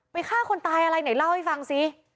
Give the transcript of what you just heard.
ฆ่าคนตายอะไรไหนเล่าให้ฟังซิ